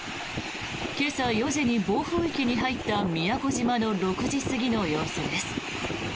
今朝４時に暴風域に入った宮古島の６時過ぎの様子です。